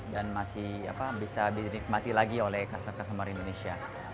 dan masih bisa dinikmati lagi oleh kasar kasar indonesia